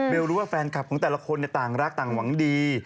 รู้ว่าแฟนคลับของแต่ละคนต่างรักต่างหวังดี